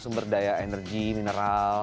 sumber daya energi mineral